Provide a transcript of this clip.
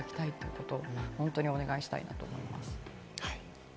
こと、本当にお願いしたいなと思います。